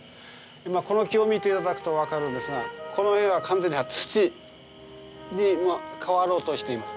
今この木を見て頂くと分かるんですがこの辺は完全に土に変わろうとしています。